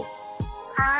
はい。